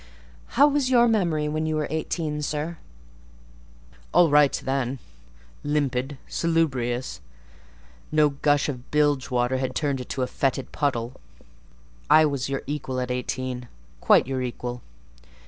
"How was your memory when you were eighteen, sir?" "All right then; limpid, salubrious: no gush of bilge water had turned it to fetid puddle. I was your equal at eighteen—quite your equal.